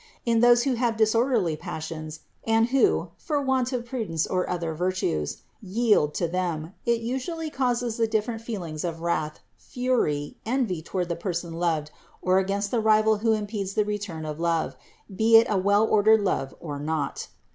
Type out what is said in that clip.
In those who have disorderly passions, 322 THE INCARNATION 323 and who, for want of prudence or other virtues, yield to them, it usually causes the different feelings of wrath, fury, envy toward the person loved, or against the rival who impedes the return of love, be it a well ordered love or not.